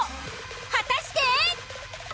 果たして！？